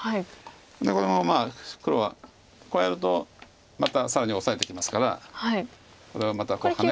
でこの黒はこうやるとまた更にオサえてきますからこれはまたハネ返すんです。